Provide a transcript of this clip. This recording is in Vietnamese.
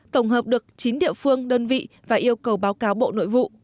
tổng hợp được chín địa phương đơn vị và yêu cầu báo cáo bộ nội vụ